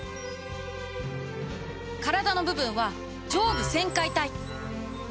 体の部分は上部旋回体。